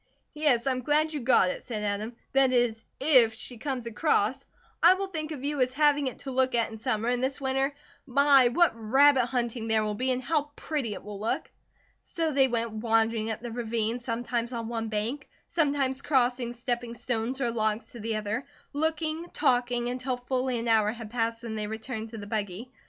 "Yes. I'm glad you got it," said Adam, "that is, if she come across. I will think of you as having it to look at in summer; and this winter my, what rabbit hunting there will be, and how pretty it will look!" So they went wandering up the ravine, sometimes on one bank, sometimes crossing stepping stones or logs to the other, looking, talking, until a full hour had passed when they returned to the buggy.